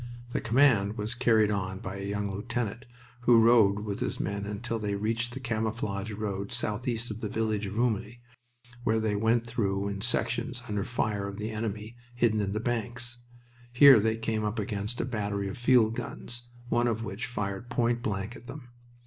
The command was carried on by a young lieutenant, who rode with his men until they reached the camouflaged road southeast of the village of Rumilly, where they went through in sections under the fire of the enemy hidden in the banks. Here they came up against a battery of field guns, one of which fired point blank at them.